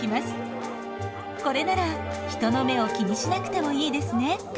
これなら人の目を気にしなくてもいいですね。